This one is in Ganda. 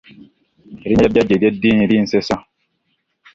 Erinnya lya jjajja ery'eddiini linsesa.